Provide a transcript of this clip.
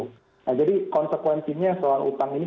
nah jadi konsekuensinya soal utang ini